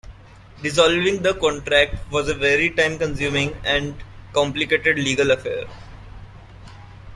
Dissolving the contract was a very time consuming and complicated legal affair.